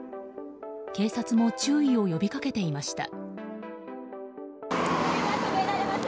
警察も注意を呼び掛けていました。